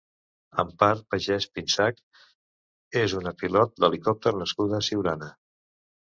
Empar Pagès Pinsach és una pilot d'helicòpter nascuda a Siurana.